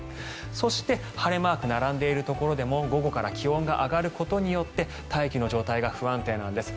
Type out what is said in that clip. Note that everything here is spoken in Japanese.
そして、晴れマークが並んでいるところでも午後から気温が上がることによって大気の状態が不安定なんです。